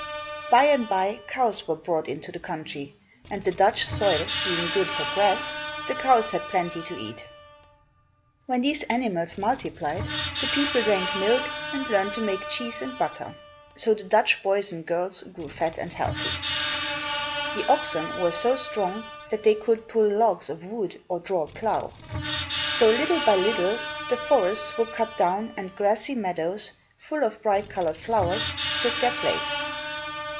By and by, cows were brought into the country and the Dutch soil being good for grass, the cows had plenty to eat. When these animals multiplied, the people drank milk and learned to make cheese and butter. So the Dutch boys and girls grew fat and healthy. The oxen were so strong that they could pull logs of wood or draw a plough. So, little by little, the forests were cut down and grassy meadows, full of bright colored flowers, took their place.